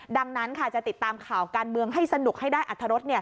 ดังนั้นค่ะจะติดตามข่าวการเมืองให้สนุกให้ได้อัตรรส